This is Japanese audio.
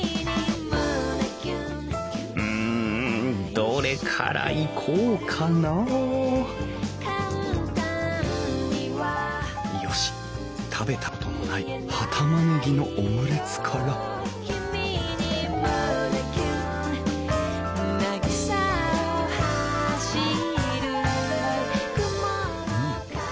うんどれからいこうかなあよし食べたことのない葉たまねぎのオムレツからうん。